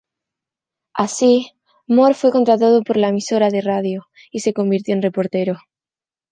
Así, Mohr fue contratado por la emisora de radio y se convirtió en reportero.